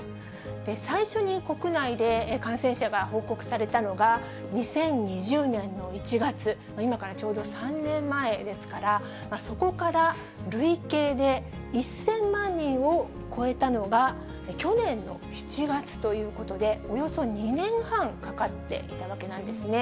最初に国内で感染者が報告されたのが、２０２０年の１月、今からちょうど３年前ですから、そこから累計で１０００万人を超えたのが去年の７月ということで、およそ２年半、かかっていたわけなんですね。